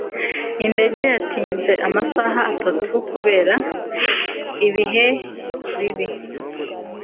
indege yatinze amasaha atatu kubera ibihe bibi